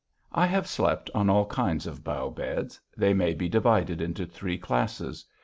I have slept on all kinds of bough beds. They may be divided into three classes.